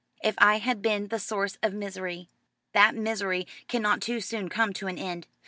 "If I have been the source of misery, that misery cannot too soon come to an end.